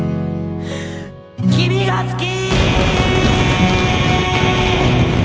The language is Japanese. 君が好き！！